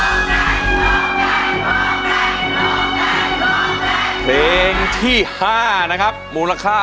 ร่วงใจร่วงใจร่วงใจร่วงใจร่วงใจร่วงใจ